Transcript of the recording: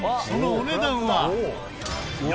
そのお値段は。